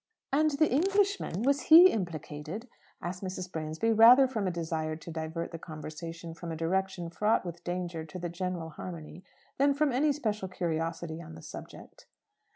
"And the Englishman was he implicated?" asked Mrs. Bransby, rather from a desire to divert the conversation from a direction fraught with danger to the general harmony than from any special curiosity on the subject.